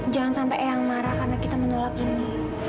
jangan sampai yang marah karena kita menolak ini